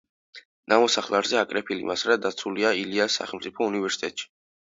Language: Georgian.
ნამოსახლარზე აკრეფილი მასალა დაცულია ილიას სახელმწიფო უნივერსიტეტში.